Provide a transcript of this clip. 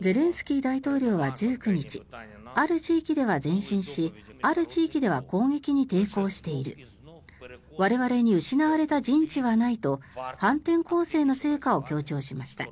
ゼレンスキー大統領は１９日ある地域では前進しある地域では攻撃に抵抗している我々に失われた陣地はないと反転攻勢の成果を強調しました。